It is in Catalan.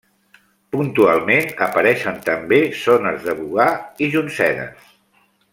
Puntualment apareixen també zones de bogar i joncedes.